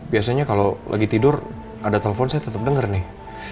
biasanya kalau lagi tidur ada telepon saya tetap denger nih